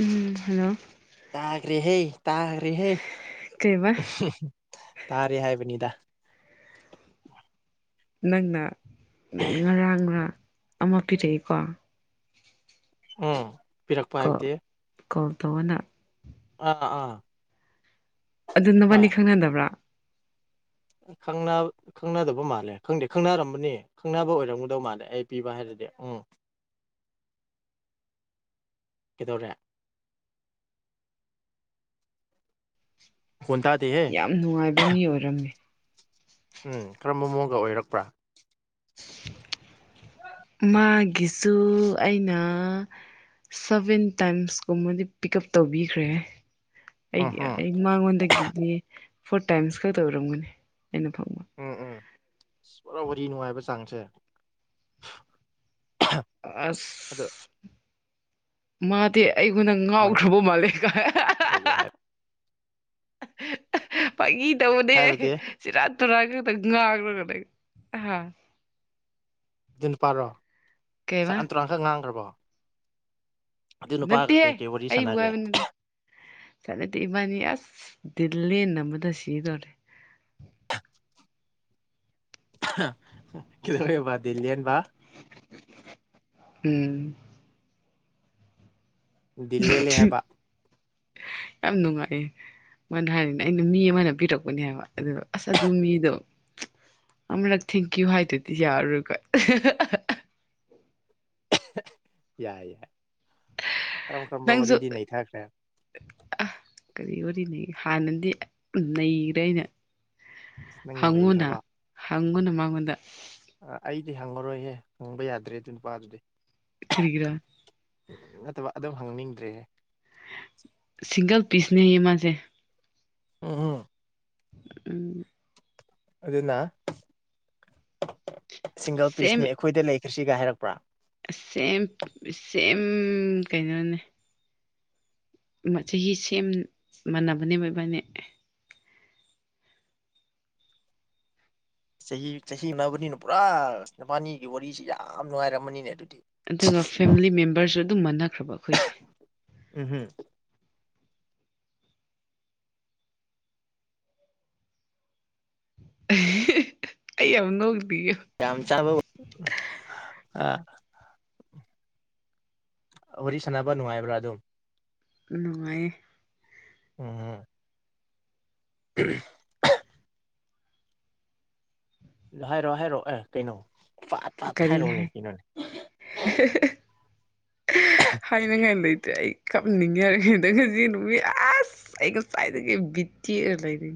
ꯎꯝ hello ꯇꯥꯈ꯭ꯔꯦꯍꯦ ꯇꯥꯈ꯭ꯔꯦꯍꯦ ꯀꯩꯕ ꯇꯥꯔꯦ ꯍꯥꯏꯕꯅꯤꯗ ꯅꯪꯅ ꯉꯔꯥꯡꯅ ꯑꯃ ꯄꯤꯔꯛꯏꯀꯣ ꯎꯝ ꯄꯤꯔꯛꯄ ꯀꯣꯜ ꯍꯥꯏꯕꯗꯤ ꯀꯣꯜ ꯇꯧꯋꯣꯅ ꯑꯥ ꯑꯥ ꯑꯗꯨ ꯍꯣꯏ ꯅꯕꯥꯟꯅꯤ ꯈꯪꯅꯗꯕ꯭ꯔꯥ ꯈꯪꯅ ꯈꯪꯅꯗꯕ ꯃꯥꯜꯂꯦ ꯈꯪꯗꯦ ꯈꯪꯅꯔꯝꯕꯅꯤ ꯈꯪꯅꯕ ꯑꯣꯏꯔꯝꯒꯗꯧ ꯃꯥꯜꯂꯦ ꯑꯩ ꯄꯤꯕ ꯍꯥꯏꯔꯗꯤ ꯎꯝ ꯀꯩꯗꯧꯔꯦ ꯍꯨꯟꯇꯥ ꯌꯥꯝ ꯅꯨꯡꯉꯥꯏꯕ ꯃꯤ ꯑꯣꯏꯔꯝꯃꯤ ꯎꯝ ꯀꯔꯝꯕ ꯃꯑꯣꯡꯒ ꯑꯣꯏꯔꯛꯄ꯭ꯔꯥ ꯃꯥꯒꯤꯁꯨ ꯑꯩꯅ ꯁꯕꯦꯟ ꯇꯥꯏꯝꯁꯀꯨꯝꯕꯗꯤ ꯄꯤꯛ ꯎꯞ ꯇꯧꯕꯤꯈ꯭ꯔꯦ ꯎꯝ ꯑꯩꯒꯤ ꯎꯝ ꯑꯩ ꯃꯉꯣꯟꯗꯒꯤꯗꯤ ꯐꯣꯔ ꯇꯥꯏꯝꯁꯀ ꯇꯧꯔꯝꯒꯅꯤ ꯑꯩꯅ ꯐꯪꯕ ꯎꯝ ꯎꯝ ꯑ ꯄꯨꯔꯥ ꯋꯥꯔꯤ ꯅꯨꯡꯉꯥꯏꯕ ꯆꯥꯡꯁꯦ ꯑꯁ ꯑꯗꯣ ꯃꯥꯇꯤ ꯑꯩꯉꯣꯟꯗ ꯀꯃꯥꯏꯅ ꯉꯥꯎꯈ꯭ꯔꯕ ꯃꯥꯜꯂꯦꯒ ꯑꯍꯑꯍ ꯇꯧꯒꯦ ꯍꯥꯏ ꯄꯪꯒꯤ ꯇꯧꯕꯅꯦ ꯍꯥꯏꯕꯗꯤ ꯁꯤꯔ ꯊꯔꯒꯗ ꯉꯒ ꯍꯥ ꯑꯗꯨ ꯅꯨꯄꯥꯔꯣ ꯆꯥꯛ ꯀꯩꯕ ꯇꯔꯥꯥꯟꯈꯛ ꯉꯥꯡꯈ꯭ꯔꯕꯣ ꯑꯗꯨ ꯅꯨꯄꯥꯒ ꯅꯠꯇꯌꯦ ꯀꯩ ꯀꯩ ꯋꯥꯔꯤ ꯑꯕꯨ ꯁꯥꯟꯅꯈ꯭ꯔꯦ ꯍꯥꯏꯕꯅꯦꯔ ꯆꯠꯂꯗꯤ ꯏꯕꯥꯅꯤ ꯑꯁ ꯗꯤꯜ ꯂꯦꯟꯅꯕꯗ ꯁꯤꯗꯧꯔꯦ ꯀꯗ ꯑꯣꯏꯕꯜꯂꯤꯂꯤꯌꯥꯅꯕ ꯎꯝ ꯗꯤꯜꯂꯤ ꯂꯩ ꯍꯥꯏꯕ ꯌꯥꯝ ꯅꯨꯡꯉꯥꯏꯌꯦ ꯃꯅ ꯍꯥꯏꯅꯤꯅꯦ ꯑꯩꯅ ꯃꯤ ꯑꯃꯅ ꯄꯤꯔꯛꯄꯅꯦ ꯍꯥꯏꯕ ꯑꯗꯨꯗ ꯑꯁ ꯑꯗꯨ ꯃꯤꯗꯣ ꯑꯃꯨꯔꯛ ꯊꯦꯡꯀ꯭ꯌꯨ ꯍꯥꯏꯗꯨꯗꯤ ꯌꯥꯎꯔꯣꯏꯒꯣꯏ ꯌꯥꯏ ꯌꯥꯏ ꯀꯔꯝ ꯀꯔꯝꯕ ꯕ ꯔꯦꯗꯤ ꯅꯩꯅꯊꯈ꯭ꯔꯦ ꯑ ꯀꯔꯤ ꯑꯣꯏꯔꯤꯅꯤ ꯍꯥꯟꯅꯗꯤ ꯅꯩꯈ꯭ꯔꯦ ꯑꯩꯅ ꯅꯪꯅ ꯍꯪꯉꯨꯅ ꯅꯩꯈ꯭ꯔꯕ ꯍꯪꯉꯨꯅ ꯃꯉꯣꯟꯗ ꯑ ꯑꯩꯗꯤ ꯍꯪꯉꯔꯣꯏꯍꯦ ꯍꯪꯕ ꯌꯥꯗ꯭ꯔꯦ ꯑꯗꯨ ꯅꯨꯄꯥꯗꯨꯗꯤ ꯈꯔꯤꯒꯤꯔꯥ ꯅꯠꯇꯕ ꯑꯗꯨꯝ ꯍꯪꯅꯤꯡꯗ꯭ꯔꯦ ꯁꯤꯡꯒꯜ ꯄꯤꯁꯅꯦꯌꯦ ꯃꯥꯖꯦ ꯎꯝ ꯎꯝ ꯎꯝ ꯑꯗꯨꯅ ꯁꯤꯡꯒꯜ ꯁꯦꯝ ꯄꯤꯁꯅꯤ ꯑꯩꯈꯣꯏꯗ ꯂꯩꯈ꯭ꯔꯁꯤꯒ ꯍꯥꯏꯔꯛꯄ꯭ꯔꯥ ꯁꯦꯝ ꯁꯦꯝ ꯀꯩꯅꯣꯅꯦ ꯆꯍꯤ ꯁꯦꯝ ꯃꯅꯕꯅꯦꯕ ꯏꯕꯥꯅꯦ ꯆꯍꯤ ꯆꯍꯤ ꯑꯃꯅꯤꯅ ꯄꯨꯔꯥ ꯅꯨꯄꯥꯅꯤꯒꯤ ꯋꯥꯔꯤꯁꯤ ꯌꯥꯝ ꯅꯨꯡꯉꯥꯏꯔꯃꯅꯤꯅꯦ ꯑꯗꯨꯗꯤ ꯑꯗꯨꯒ ꯐꯦꯃꯤꯂꯤ ꯃꯦꯝꯕꯔꯁꯨ ꯑꯗꯨꯝ ꯃꯥꯟꯅꯈ꯭ꯔꯕ ꯑꯩꯈꯣꯏꯁꯦ ꯎꯝ ꯍꯝ ꯑꯩ ꯌꯥꯝ ꯅꯣꯡ ꯄꯤꯌꯨ ꯌꯥꯝ ꯆꯥꯕ ꯑ ꯋꯥꯔꯤ ꯁꯥꯟꯅꯕ ꯅꯨꯡꯉꯥꯏꯕ꯭ꯔꯥ ꯑꯗꯨꯝ ꯅꯨꯡꯉꯥꯏꯌꯦ ꯑꯣ ꯎ ꯍꯥꯏꯔꯛꯑꯣ ꯍꯥꯏꯔꯛꯑꯣ ꯑꯦ ꯀꯩꯅꯣ ꯐꯥꯠ ꯀꯔꯤ ꯍꯥꯏꯔꯛꯑꯣꯅꯦ ꯍꯥꯏ ꯀꯩꯅꯣꯅꯦ ꯍꯥꯏꯅꯤꯡꯉꯥꯏ ꯂꯩꯇꯦ ꯑꯩ ꯀꯞꯅꯤꯡꯉꯦꯍ ꯅꯁꯨꯖꯤ ꯅꯅꯨꯡꯏ ꯑꯁ ꯑꯩꯒ ꯆꯥꯏꯗꯒꯦ ꯕꯤꯇ ꯑꯣꯏꯔ ꯂꯩꯗꯤ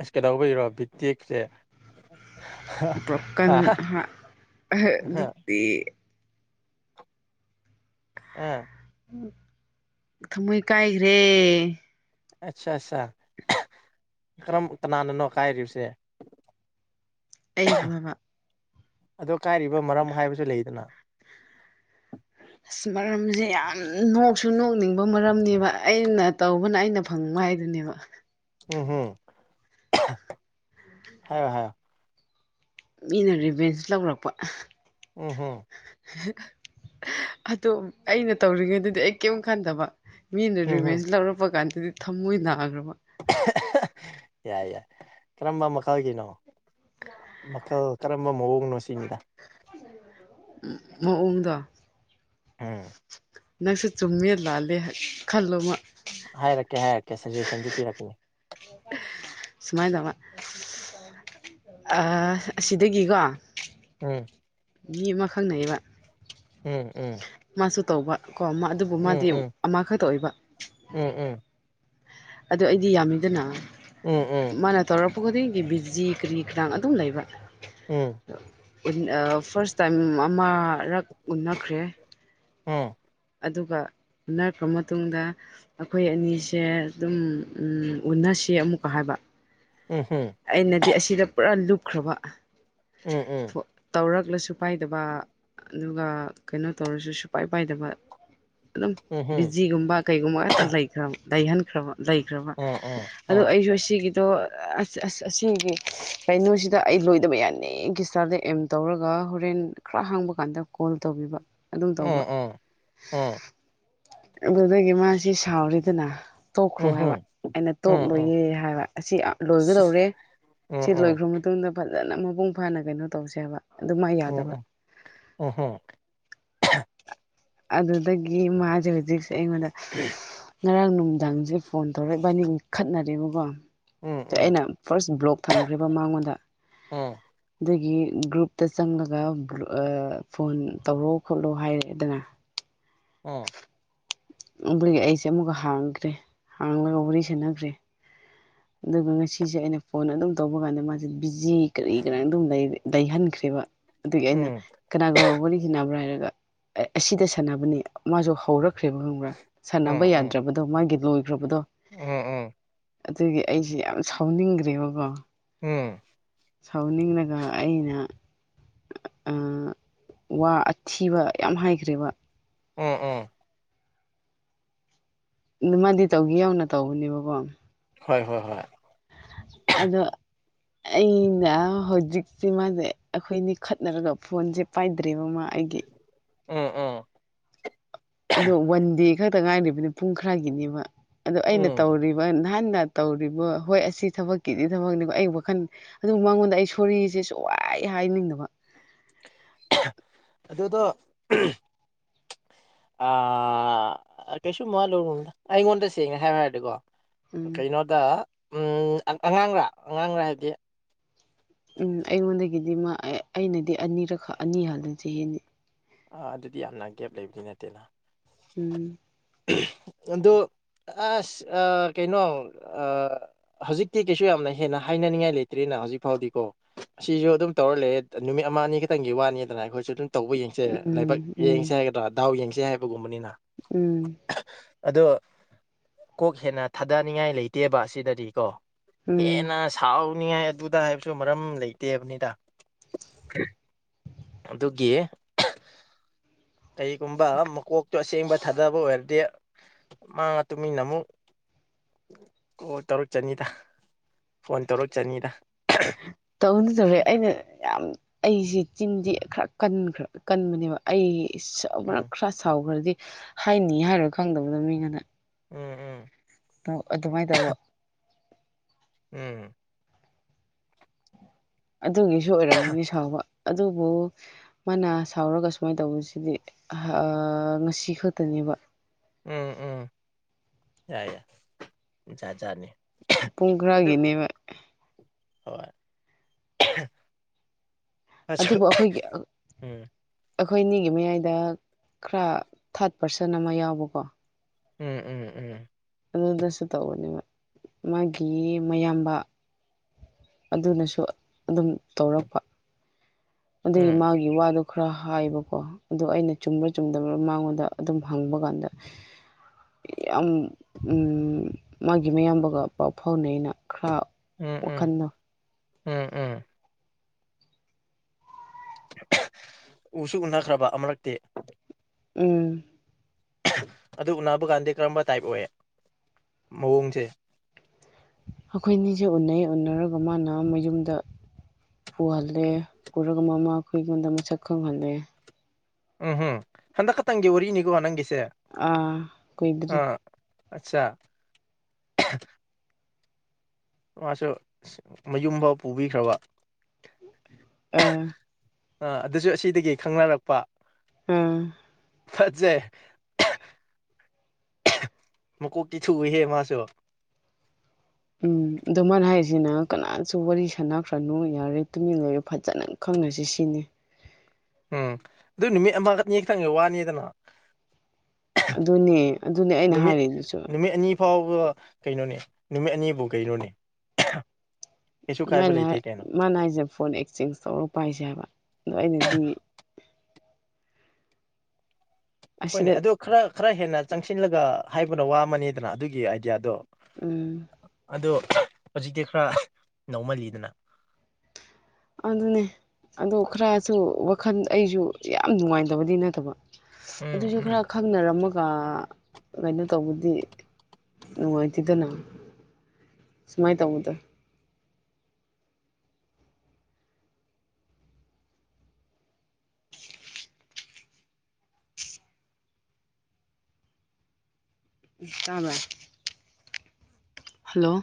ꯑꯁ ꯀꯩꯗꯧꯕꯒꯤꯔꯣ ꯕꯤꯇꯦꯛꯁꯦ ꯄꯣꯀꯟ ꯍꯥꯍ ꯨꯞꯄꯤ ꯎ ꯊꯃꯣꯏ ꯀꯥꯏꯈ꯭ꯔꯦ ꯑꯠꯆꯥ ꯑꯠꯆꯥ ꯀꯔꯝ ꯇꯅꯥꯟꯅꯅꯣ ꯀꯥꯏꯔꯤꯕꯁꯦ ꯑꯩꯕꯨ ꯍꯥꯏꯕ ꯑꯗꯣ ꯀꯥꯏꯔꯤꯕ ꯃꯔꯝ ꯍꯥꯏꯕꯁꯨ ꯂꯩꯗꯅ ꯑꯁ ꯃꯔꯝꯁꯦ ꯌꯥꯝ ꯅꯣꯛꯁꯨ ꯅꯣꯛꯅꯤꯡꯕ ꯃꯔꯝꯅꯦꯕ ꯑꯩꯅ ꯇꯧꯕꯅ ꯑꯩꯅ ꯐꯪꯕ ꯍꯥꯏꯗꯨꯅꯦꯕ ꯎꯝꯝ ꯍꯥꯏꯌꯣ ꯍꯥꯏꯌꯣ ꯃꯤꯅ ꯔꯤꯚꯦꯟꯁ ꯂꯧꯔꯛꯄ ꯑ ꯎꯝꯍꯨꯝ ꯑꯗꯨꯝ ꯑꯩꯅ ꯇꯧꯔꯤꯉꯩꯗꯗꯤ ꯑꯩ ꯀꯩꯝ ꯈꯟꯗꯕ ꯃꯤꯅ ꯎꯝ ꯍꯝ ꯔꯤꯕꯦꯟꯁ ꯂꯧꯔꯛꯄ ꯀꯥꯟꯗꯗꯤ ꯊꯃꯣꯏ ꯅꯥꯈ꯭ꯔꯕ ꯌꯥꯏ ꯌꯥꯏ ꯀꯔꯝꯕ ꯃꯈꯜꯒꯤꯅꯣ ꯃꯈꯜ ꯀꯔꯝꯕ ꯃꯑꯣꯡꯅꯣ ꯁꯤꯅꯤꯗ ꯃꯑꯣꯡꯗ ꯑꯝ ꯅꯪꯁꯨ ꯆꯨꯝꯃꯦ ꯂꯥꯜꯂꯦ ꯍꯦꯠ ꯈꯜꯂꯣꯕ ꯍꯥꯏꯔꯛꯀꯦ ꯍꯥꯏꯔꯛꯀꯦ ꯁꯖꯦꯁꯟꯁꯨ ꯄꯤꯔꯛꯀꯦ ꯁꯨꯃꯥꯏꯅ ꯇꯧꯕ ꯑꯁꯤꯗꯒꯤꯀꯣ ꯎꯝ ꯃꯤ ꯑꯃꯥ ꯈꯪꯅꯕ ꯎꯝ ꯎꯝ ꯃꯥꯁꯨ ꯇꯧꯕ ꯀꯣ ꯃꯥ ꯑꯗꯨꯕꯨ ꯎꯝ ꯃꯥꯗꯤ ꯎꯝ ꯑꯃ ꯈꯛꯇ ꯑꯣꯏꯕ ꯎꯝ ꯎꯝ ꯑꯗꯨ ꯑꯩꯗꯤ ꯌꯥꯝꯃꯤꯗꯅ ꯎꯝ ꯎꯝ ꯃꯥꯅ ꯇꯧꯔꯛꯄ ꯈꯨꯗꯤꯡꯒꯤ ꯕꯤꯖꯤ ꯀꯔꯤ ꯀꯔꯥꯡ ꯑꯗꯨꯝ ꯂꯩꯕ ꯎꯝ ꯎꯟ ꯑ ꯐꯥꯔꯁ ꯇꯥꯏꯝ ꯑꯃꯔꯛ ꯎꯟꯅꯈ꯭ꯔꯦ ꯎꯝ ꯑꯗꯨꯒ ꯎꯅꯔꯛꯄ ꯃꯇꯨꯡꯗ ꯑꯩꯈꯣꯏ ꯑꯅꯤꯁꯦ ꯑꯗꯨꯝ ꯎꯟꯅꯁꯤ ꯑꯃꯨꯛꯀ ꯍꯥꯏꯕ ꯎꯝ ꯍꯨꯝ ꯑꯩꯅꯗꯤ ꯑꯁꯤꯗ ꯄꯨꯔꯥ ꯂꯨꯞꯈ꯭ꯔꯕ ꯎꯝ ꯎꯝ ꯇꯧꯔꯛꯂꯁꯨ ꯄꯥꯏꯗꯕ ꯑꯗꯨꯒ ꯀꯩꯅꯣ ꯇꯧꯔꯁꯨ ꯁꯨꯄꯥꯏ ꯄꯥꯏꯗꯕ ꯑꯗꯨꯝ ꯎꯝꯍꯨꯝ ꯕꯤꯖꯤꯒꯨꯝꯕ ꯀꯩꯒꯨꯝꯕ ꯉꯥꯛꯇ ꯂꯩꯈ꯭ꯔ ꯂꯩꯍꯟꯈ꯭ꯔꯕ ꯂꯩꯈ꯭ꯔꯕ ꯎꯝ ꯎꯝ ꯑꯗꯣ ꯎꯝ ꯑꯩꯁꯨ ꯑꯁꯤꯒꯤꯗꯣ ꯑꯑꯁ ꯁꯦꯁ ꯑꯁꯤꯒꯤ ꯀꯩꯅꯣꯁꯤꯗ ꯑꯩ ꯂꯣꯏꯗꯕ ꯌꯥꯗꯦ ꯒꯤ ꯏꯁꯇꯥꯥꯔꯗ ꯑꯦꯝ ꯇꯧꯔꯒ ꯍꯣꯔꯦꯟ ꯈꯔ ꯍꯥꯡꯕ ꯀꯥꯟꯗ ꯀꯣꯜ ꯇꯧꯕꯤꯕ ꯑꯗꯨꯝ ꯇꯧꯕ ꯎꯥꯝ ꯑꯗꯨꯗꯒꯤ ꯃꯥꯁꯤ ꯁꯥꯎꯔꯤꯗꯅ ꯎꯝ ꯇꯣꯛꯈ꯭ꯔꯣ ꯍꯥꯏꯕ ꯎꯝꯍꯨꯝ ꯑꯩꯅ ꯎꯝ ꯎꯝ ꯇꯣꯛꯂꯣꯏꯌꯦ ꯍꯥꯏꯕ ꯑꯁꯤ ꯑ ꯁꯤꯁ ꯂꯣꯏꯒꯗꯧꯔꯦ ꯎꯝ ꯁꯤ ꯎꯝ ꯂꯣꯏꯈ꯭ꯔꯥ ꯃ ꯇꯨꯡꯗ ꯐꯖꯅ ꯃꯄꯨꯡ ꯐꯥꯅ ꯀꯩꯅꯣ ꯇꯧꯁꯦꯕ ꯑꯣ ꯑꯣ ꯑꯣ ꯍꯣ [inaudible] ꯑꯗꯨꯗꯒꯤ ꯃꯥꯁꯦ ꯍꯧꯖꯤꯛꯁꯦ ꯑꯩꯉꯣꯟꯗ ꯎꯝ [inaudible] ꯉꯔꯥꯡ ꯅꯨꯡꯃꯤꯗꯥꯡꯁꯦ ꯐꯣꯟ ꯇꯧꯔꯛꯏ ꯏꯕꯥꯅꯤ ꯈꯠꯅꯔꯦꯕꯀꯣ ꯎꯝ ꯎꯝ ꯑꯩꯅ ꯐꯥꯔꯁ ꯕ꯭ꯂꯣꯛ ꯊꯝꯈ꯭ꯔꯦꯕ ꯃꯉꯣꯟꯗ ꯎꯝ ꯑꯗꯒꯤ ꯒ꯭ꯔꯨꯞꯇ ꯆꯪꯂꯒ ꯐꯣꯟ ꯇꯧꯔꯣ ꯈꯣꯠꯂꯣ ꯍꯥꯏꯔꯦꯗꯅ ꯎꯝ ꯑꯗꯨꯒꯤ ꯑꯩꯁꯦ ꯑꯃꯨꯛꯀ ꯍꯥꯡꯈ꯭ꯔꯦ ꯍꯥꯡꯂꯒ ꯋꯥꯔꯤ ꯁꯥꯟꯅꯈ꯭ꯔꯦ ꯑꯗꯨꯒ ꯉꯁꯤꯁꯦ ꯑꯩꯅ ꯐꯣꯟ ꯑꯗꯨꯝ ꯇꯧꯕ ꯀꯥꯟꯗ ꯃꯥꯁꯦ ꯕꯤꯖꯤ ꯀꯔꯤ ꯀꯔ ꯑꯗꯨꯝ ꯂꯩꯍꯟꯈ꯭ꯔꯦꯕ ꯑꯗꯒꯤ ꯑꯩꯅ ꯎꯝ ꯀꯅꯥꯒ ꯋꯥꯔꯤ ꯁꯥꯟꯅꯕ꯭ꯔꯥ ꯍꯥꯏꯔꯒ ꯑꯁꯤꯗ ꯁꯥꯟꯅꯕꯅꯤ ꯃꯥꯁꯨ ꯍꯧꯔꯛꯈ꯭ꯔꯦꯕ ꯈꯪꯕ꯭ꯔꯥ ꯁꯥꯟꯅꯕ ꯌꯥꯗ꯭ꯔꯕꯗꯣ ꯃꯥꯒꯤ ꯂꯣꯏꯈ꯭ꯔꯕꯗꯣ ꯎꯝ ꯎꯝ ꯑꯗꯨꯒꯤ ꯑꯩꯁꯤ ꯌꯥꯝ ꯁꯥꯎꯅꯤꯡꯈ꯭ꯔꯦꯕꯀꯣ ꯎꯝ ꯁꯥꯎꯅꯤꯡꯂꯒ ꯑꯩꯅ ꯎꯝ ꯋꯥ ꯑꯊꯤꯕ ꯌꯥꯝ ꯍꯥꯏꯈ꯭ꯔꯦꯕ ꯎꯝ ꯎꯝ ꯑꯗꯨ ꯃꯥꯗꯤ ꯇꯧꯒꯦ ꯌꯧꯅ ꯇꯧꯕꯅꯦꯕꯀꯣ ꯍꯣꯏ ꯍꯣꯏ ꯍꯣꯏ ꯑꯗꯣ ꯑꯩꯅ ꯍꯧꯖꯤꯛꯇꯤ ꯃꯥꯁꯦ ꯑꯩꯈꯣꯏꯅꯤ ꯈꯠꯅꯔꯒ ꯐꯣꯟꯁꯦ ꯄꯥꯏꯗ꯭ꯔꯦꯕ ꯃꯥ ꯑꯩꯒꯤ ꯎꯝ ꯎꯝ ꯑꯗꯣ ꯋꯥꯟ ꯗꯦ ꯈꯛꯇ ꯉꯥꯏꯔꯤꯕꯅꯤ ꯄꯨꯡ ꯈꯥꯏꯒꯤꯅꯦꯕ ꯑꯗꯣ ꯑꯩꯅ ꯎꯝ ꯇꯧꯔꯤꯞ [inaudible] ꯅꯍꯥꯟꯅ ꯇꯧꯔꯤꯕ ꯍꯣꯏ ꯑꯁꯤ ꯊꯕꯛꯀꯤꯗꯤ ꯊꯕꯛꯅꯦꯕ ꯑꯩ ꯋꯥꯈꯟ ꯑꯗꯨ ꯃꯉꯣꯟꯗ ꯑꯩ ꯁꯣꯔꯤꯁꯦ ꯁꯨꯡꯍꯥꯏ ꯍꯥꯏꯅꯤꯡꯗꯕ ꯑꯗꯨ ꯑꯗꯨꯗ ꯑꯥ ꯀꯩꯁꯨꯨ ꯃꯥꯋꯥ ꯂꯧꯔꯨꯅꯨꯗ ꯑꯩꯉꯣꯟꯗ ꯁꯦꯡꯅ ꯍꯥꯌꯨ ꯍꯥꯏꯔꯗꯤꯀꯣ ꯎꯝ ꯀꯩꯅꯣꯗ ꯎꯝ ꯑꯥ ꯑꯉꯥꯡꯔꯥ ꯑꯉꯥꯡꯔꯥ ꯍꯥꯏꯕꯗꯤ ꯎꯝ ꯑꯩꯉꯣꯟꯗꯒꯤꯗꯤ ꯃꯥ ꯑꯩꯅꯗꯤ ꯑꯅꯤꯔꯛ ꯑꯅꯤ ꯍꯥꯜꯂꯁꯤ ꯆꯥꯍꯤ ꯑꯥ ꯑꯗꯨꯗꯤ ꯌꯥꯝꯅ ꯒꯦꯞ ꯂꯩꯕꯗꯤ ꯅꯠꯇꯦꯅ ꯎꯝ ꯑꯗꯨ ꯑꯥꯁ ꯑ ꯀꯩꯅꯣ ꯑ ꯍꯧꯖꯤꯛꯇꯤ ꯀꯩꯁꯨ ꯌꯥꯝꯅ ꯍꯦꯟꯅ ꯍꯥꯏꯅꯅꯤꯡꯉꯥꯏ ꯂꯩꯇ꯭ꯔꯤꯅ ꯍꯧꯖꯤꯛ ꯐꯥꯎꯗꯤꯀꯣ ꯑꯁꯤꯁꯨ ꯑꯗꯨꯝ ꯇꯧꯔ ꯂꯩ ꯅꯨꯃꯤꯠ ꯑꯃ ꯑꯅꯤ ꯈꯤꯇꯪꯒꯤ ꯋꯥꯅꯤꯗꯅ ꯑꯩꯈꯣꯏꯁꯨ ꯑꯗꯨꯝ ꯇꯧꯕ ꯌꯦꯡꯁꯦ ꯂꯥꯏꯕꯛ ꯎꯝ ꯎꯝ ꯌꯦꯡꯁꯦ ꯍꯥꯏꯒꯗ꯭ꯔꯥ ꯗꯥꯎ ꯌꯦꯡꯁꯦ ꯍꯥꯏꯕꯒꯨꯝꯕꯅꯤꯅ ꯎꯝ ꯑꯗꯣ ꯀꯣꯛ ꯍꯦꯟꯅ ꯊꯥꯗꯅꯤꯡꯉꯥꯏ ꯂꯩꯇꯦꯕ ꯑꯁꯤꯗꯗꯤ ꯀꯣ ꯎꯝ ꯍꯦꯟꯅ ꯁꯥꯎꯅꯤꯡꯉꯥꯏ ꯑꯗꯨꯗ ꯍꯥꯏꯕꯁꯨ ꯃꯔꯝ ꯂꯩꯇꯦꯕꯅꯤꯗ ꯑꯗꯨꯒꯤ ꯀꯔꯤꯒꯨꯝꯕ ꯃꯀꯣꯛꯇꯣ ꯑꯁꯦꯡꯕ ꯊꯥꯗꯕ ꯑꯣꯏꯔꯗꯤ ꯃꯥ ꯇꯨꯃꯤꯟꯅ ꯑꯃꯨꯛ ꯀꯣꯜ ꯇꯧꯔꯛꯆꯅꯤꯗ ꯐꯣꯟ ꯇꯧꯔꯛꯆꯅꯤꯗ ꯇꯧꯅ ꯇꯧꯔꯦ ꯑꯩꯅ ꯌꯥꯝ ꯑꯩꯁꯦ ꯆꯤꯟꯗꯤ ꯈꯔ ꯀꯟꯈ꯭ꯔ ꯀꯟꯕꯅꯦꯕ ꯑꯩ ꯎꯝ ꯈꯔ ꯁꯥꯎꯈ꯭ꯔꯗꯤ ꯍꯥꯏꯅꯤ ꯍꯥꯏꯔꯣ ꯈꯪꯗꯕꯗꫭ ꯃꯤꯒꯅ ꯎꯝ ꯎꯝ ꯑꯗꯨꯃꯥꯏꯅ ꯇꯧꯕ ꯎꯝ ꯑꯗꯨꯒꯤꯁꯨ ꯑꯣꯏꯔꯝꯒꯅꯤ ꯁꯥꯎꯕ ꯑꯗꯨꯕꯨ ꯃꯥꯅ ꯁꯥꯎꯔꯒ ꯁꯨꯃꯥꯏꯅ ꯇꯧꯕꯁꯤꯗꯤ ꯉꯁꯤ ꯈꯛꯇꯅꯦꯕ ꯎꯝ ꯎꯝ ꯌꯥꯏ ꯌꯥꯏ ꯖꯥꯠꯖꯥꯠꯅꯤ ꯄꯨꯡ ꯈꯔꯒꯤꯅꯦꯕ ꯍꯣꯏ ꯑꯁꯨ ꯎꯝ ꯑꯩꯈꯣꯏ ꯑꯅꯤꯒꯤ ꯃꯌꯥꯏꯗ ꯈꯔ ꯊꯥꯔꯠ ꯄꯥꯔꯁꯟ ꯑꯃ ꯌꯥꯎꯕꯀꯣ ꯎꯝ ꯎꯝ ꯎꯝ ꯑꯗꯨꯗꯁꯨ ꯇꯧꯕꯅꯦꯕ ꯃꯥꯒꯤ ꯃꯌꯥꯝꯕ ꯑꯗꯨꯅꯁꯨ ꯑꯗꯨꯝ ꯇꯧꯔꯛꯄ ꯑꯗꯨꯗ ꯎꯝ ꯃꯥ ꯒꯤ ꯋꯥꯗꯣ ꯈꯔ ꯍꯥꯏꯕꯀꯣ ꯑꯗꯨ ꯑꯩꯅ ꯆꯨꯝꯕ꯭ꯔꯥ ꯆꯨꯝꯗꯕꯔꯥ ꯃꯉꯣꯟꯗ ꯑꯗꯨꯝ ꯍꯪꯕ ꯀꯥꯟꯗ [unintelligible] ꯌꯥꯝ ꯃꯥꯒꯤ ꯃꯌꯥꯝꯕꯒ ꯄꯥꯎ ꯐꯥꯎꯅꯩꯅ ꯈꯔ ꯎꯝ ꯎꯝ ꯋꯥꯈꯜꯗꯣ ꯎꯝ ꯎꯝ ꯎꯁꯨ ꯎꯅꯈ꯭ꯔꯕ ꯑꯃꯔꯛꯇꯤ ꯎꯝ ꯑꯗꯨ ꯎꯅꯕ ꯀꯥꯟꯗꯤ ꯀꯔꯝꯕ ꯇꯥꯏꯞ ꯑꯣꯏ ꯃꯑꯣꯡꯁꯦ ꯑꯩꯈꯣꯏ ꯑꯅꯤꯁꯦ ꯎꯅꯩ ꯎꯅꯔꯒ ꯃꯥꯅ ꯃꯌꯨꯝꯗ ꯄꯨꯍꯜꯂꯦ ꯄꯨꯔꯒ ꯃꯃꯥ ꯈꯣꯏ ꯑꯩꯉꯣꯟꯗ ꯃꯁꯛ ꯈꯪꯍꯜꯂꯦ ꯎꯝ ꯍꯨꯝ ꯍꯟꯗꯛ ꯈꯛꯇꯪꯒꯤ ꯋꯥꯔꯤꯅꯤꯀꯣ ꯅꯪꯒꯤꯁꯦ ꯑꯥ ꯀꯨꯏꯗ꯭ꯔꯤ ꯑꯆꯥ ꯃꯥꯁꯨ ꯃꯌꯨꯝ ꯐꯥꯎ ꯄꯨꯕꯤꯈ꯭ꯔꯕ ꯑ ꯑꯥ ꯑꯗꯨꯁꯨ ꯑꯁꯤꯗꯒꯤ ꯈꯪꯅꯔꯛꯄ ꯎꯝ ꯐꯖꯩ [unintelligible] ꯃꯀꯣꯛꯇꯤ ꯊꯨꯍꯦ ꯃꯥꯁꯨ ꯎꯝ ꯑꯗꯣ ꯃꯥꯅ ꯍꯥꯏꯔꯤꯖꯤꯅ ꯀꯅꯥꯁꯨ ꯋꯥꯔꯤ ꯁꯥꯟꯅꯈ꯭ꯔꯅꯨ ꯌꯥꯔꯦ ꯇꯨꯃꯤꯟ ꯂꯩꯔ‌ꯣ ꯐꯖꯅ ꯈꯪꯅꯁꯤ ꯁꯤꯅꯤ ꯎꯝ ꯑꯗꯨ ꯅꯨꯃꯤꯠ ꯑꯃ ꯑꯅꯤ ꯈꯛꯇꯪꯒꯤ ꯋꯥꯅꯤꯗꯅ ꯑꯗꯨꯅꯦ ꯑꯗꯨꯅꯦ ꯑꯩꯅ ꯅꯨꯃꯤꯠ ꯍꯥꯏꯔꯤꯗꯨꯁꯨ ꯅꯨꯃꯤꯠ ꯑꯅꯤ ꯐꯥꯎꯕ ꯀꯩꯅꯣꯅꯦ ꯅꯨꯃꯤꯠ ꯑꯅꯤꯕꯨ ꯀꯩꯅꯣꯅꯦ ꯀꯩꯁꯨ ꯀꯥꯏꯕ ꯂꯩꯇꯦ ꯃꯥꯅ ꯀꯩꯅꯣ ꯃꯥꯅ ꯍꯥꯏꯖ‌ꯦ ꯐꯣꯟ ꯑꯦꯛꯆꯦꯟꯖ ꯇꯧꯔ ꯄꯥꯏꯁꯦ ꯍꯥꯏꯕ ꯑꯗꯣ ꯑꯩꯅꯗꯤ ꯍꯣꯏꯅꯦ ꯑꯁꯤꯗ ꯑꯗꯨ ꯈꯔ ꯈꯔ ꯍꯦꯟꯅ ꯆꯪꯁꯤꯜꯂꯒ ꯍꯥꯏꯕꯅ ꯋꯥ ꯑꯃꯅꯦꯗꯅ ꯑꯗꯨꯒꯤ ꯑꯥꯏꯗꯤꯌꯥꯗꯣ ꯎꯝ ꯑꯗꯣ ꯍꯧꯖꯤꯛꯇꯤ ꯈꯔ ꯅꯧꯃꯜꯂꯤꯗꯅ ꯑꯗꯨꯅꯦ ꯑꯗꯣ ꯈꯔꯁꯨ ꯋꯥꯈꯜ ꯑꯩꯁꯨ ꯌꯥꯝ ꯅꯨꯡꯉꯥꯏꯇꯕꯗꯤ ꯅꯠꯇꯕ ꯎꯝ ꯑꯗꯨꯏꯁꯨ ꯎꯝ ꯈꯔ ꯈꯪꯅꯔꯝꯃ ꯒ ꯀꯩꯅꯣ ꯇꯧꯕꯗꯤ ꯅꯨꯡꯉꯥꯏꯇꯦꯗꯅ ꯁꯨꯃꯥꯏ ꯇꯧꯕꯗ‌ꯣ ꯇꯥꯕꯔ‌ꯥ ꯍꯜꯂꯣ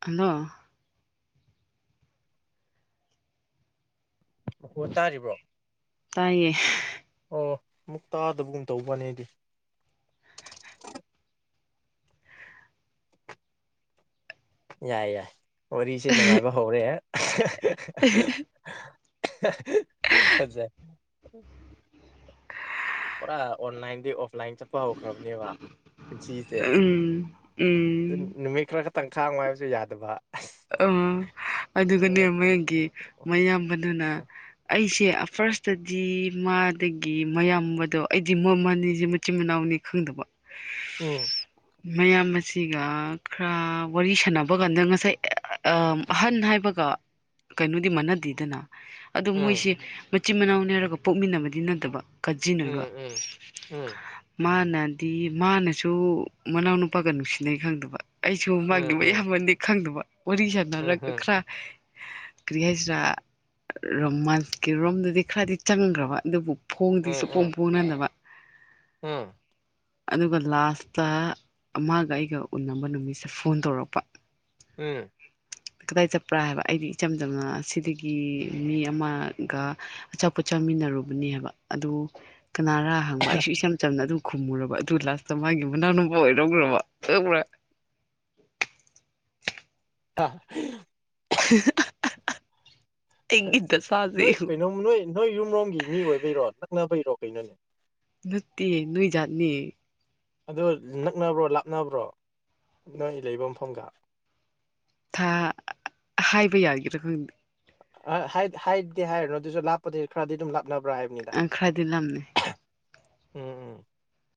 ꯍꯜꯂꯣ ꯃꯈꯣꯟ ꯇꯥꯔꯤꯕ꯭ꯔꯣ ꯇꯥꯏꯌꯦ ꯑꯣ ꯃꯨꯛ ꯇꯥꯗꯕꯒꯨꯝ ꯇꯧꯕꯅꯦꯗꯤ ꯌꯥꯏ ꯌꯥꯏ ꯋꯥꯔꯤꯁꯦ ꯅꯨꯡꯉꯥꯏꯕ ꯍꯧꯔꯛꯑꯦ [unintelligible] ꯐꯠꯖꯩ ꯄꯨꯔꯥ ꯑꯣꯟꯂꯥꯏꯟꯗꯩ ꯑꯣꯐꯂꯥꯏꯟ ꯆꯠ ꯄꯥ ꯍꯧꯈ꯭ꯔꯕꯅꯦꯕ ꯄꯨꯟꯁꯤꯁꯦ ꯎꯝ ꯑꯗꯨ ꯎꯝ ꯅꯨꯃꯤꯠ ꯈꯔ ꯈꯛꯇꯪ ꯈꯥꯡꯉ‌ꯣ ꯍꯥꯏꯕꯁꯨ ꯌꯥꯗꯕ ꯑꯣ ꯑꯗꯨꯒꯅꯦ ꯉꯛꯄꯅꯤ ꯃꯣꯏꯒꯤ ꯃꯌꯥꯝꯕꯗꯨꯅ ꯑꯩꯁꯦ ꯐꯥꯔꯁꯇꯗꯤ ꯃꯥꯗꯒꯤ ꯃꯌꯥꯝꯕꯗꯣ ꯑꯩꯗꯤ ꯃꯃꯟꯅꯤꯁꯦ ꯃꯆꯤꯟ ꯃꯅꯥꯎꯅꯤ ꯈꯪꯗꯕ ꯑꯣ ꯃꯌꯥꯝꯕꯁꯤꯒ ꯈꯔ ꯋꯥꯔꯤ ꯁꯥꯟꯅꯕ ꯀꯥꯟꯗ ꯉꯁꯥꯏ ꯑꯍꯟ ꯍꯥꯏꯕꯒ ꯀꯩꯅꯣꯗꯤ ꯃꯥꯟꯅꯗꯦꯗꯅ ꯑꯗꯨ ꯎꯝ ꯃꯣꯏꯁꯦ ꯃ ꯆꯤꯟ ꯃꯅꯥꯎꯅꯦ ꯍꯥꯏꯔꯒ ꯄꯣꯛꯃꯤꯟꯅꯕꯗꯤ ꯅꯠꯇꯕ ꯀꯥꯖꯤꯟ ꯎꯝ ꯑꯣꯏꯕ ꯎꯝ ꯎꯝ ꯃꯥꯅꯗꯤ ꯃꯥꯅꯁꯨ ꯃꯅꯥꯎꯅꯨꯄꯥꯒ ꯅꯨꯡꯁꯤꯅꯩ ꯈꯪꯗꯕ ꯑꯩꯁꯨ ꯎꯝ ꯎꯝ ꯃꯥꯡꯅꯤꯡꯕ ꯎꯝ ꯌꯥꯝꯃꯟꯗꯦ ꯈꯪꯗꯕ ꯋꯥꯔꯤ ꯎꯝ ꯁꯥꯟꯅꯔꯒ ꯈꯔ ꯀꯔꯤ ꯍꯥꯏꯁꯤꯔꯥ ꯔꯣꯃꯥꯟꯁꯀꯤ ꯔꯣꯝꯗꯗꯤ ꯈꯔꯗꯤ ꯆꯪꯈ꯭ꯔꯕ ꯑꯗꯨꯕꯨ ꯐꯣꯡꯗꯤꯁꯨꯨ ꯐꯣꯡ ꯐꯣꯡꯅꯅꯕ ꯑꯥ ꯑꯗꯨꯒ ꯂꯥꯁꯇ ꯑꯃꯒ ꯑꯩꯒ ꯎꯅꯕ ꯅꯨꯃꯤꯠꯁꯦ ꯐꯣꯟ ꯇꯧꯔꯛꯄ ꯎꯝ ꯀꯗꯥꯏ ꯆꯠꯄ꯭ꯔꯥ ꯍꯥꯏꯕ ꯑꯩꯗꯤ ꯏꯆꯝ ꯆꯝꯅ ꯑꯁꯤꯗꯒꯤ ꯃꯤ ꯑꯃꯒ ꯑꯆꯥꯄꯣꯠ ꯆꯥꯃꯤꯟꯅꯔꯨꯕꯅꯦꯕ ꯑꯗꯨ ꯀꯅꯥꯔꯥ ꯍꯪꯕ ꯑꯩꯁꯨ ꯏꯆꯝ ꯆꯝꯅ ꯑꯗꯨ ꯈꯨꯝꯃꯨꯔꯕ ꯑꯗꯨ ꯂꯥꯁꯇ ꯃꯥꯒꯤ ꯃꯅꯥꯎꯅꯨꯄꯥ ꯑꯣꯏꯔꯧꯈ꯭ꯔꯕ ꯑꯥ [unintelligible] ꯑꯩꯒꯤ ꯑꯠꯁꯦ ꯗꯁꯥꯁꯦ ꯅꯣꯏ ꯌꯦꯡꯉꯨ ꯀꯩꯅꯣꯝ ꯅꯣꯏ ꯅꯣꯏ ꯌꯨꯝꯔꯣꯝꯒꯤ ꯃꯤ ꯑꯣꯏꯕꯩꯔꯣ ꯅꯛꯅꯕꯩꯔꯣ ꯀꯩꯅꯣꯅꯦ ꯅꯨꯠꯇꯦ ꯅꯣꯏꯖꯥꯠꯅꯤ ꯑꯗꯨ ꯅꯛꯅꯕ꯭ꯔꯣ ꯂꯥꯞꯅꯕ꯭ꯔꯣ ꯅꯣꯏ ꯂꯩꯕ ꯃꯐꯝꯒ ꯊꯥ ꯍꯥꯏꯕ ꯌꯥꯒꯔꯒꯗꯤ ꯑ ꯍꯥꯏꯗꯤ ꯍꯥꯏꯔꯅꯨ ꯑꯗꯨꯁꯨ ꯂꯥꯞꯄꯗꯤ ꯈꯔꯗꯤ ꯑꯗꯨꯝ ꯂꯞꯅꯕ꯭ꯔꯥ ꯍꯥꯏꯕꯅꯤꯅ ꯑ ꯈ꯭ꯔꯥꯏꯗꯤ ꯂꯝꯂꯝꯅꯤ ꯎꯝ ꯎꯝ